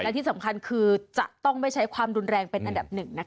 และที่สำคัญคือจะต้องไม่ใช้ความรุนแรงเป็นอันดับหนึ่งนะคะ